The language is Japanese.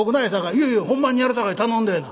「いやいやほんまにやるさかい頼んでえな」。